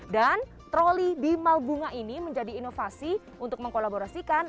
dan troli bimal bunga ini menjadi inovasi untuk mengkolaborasikan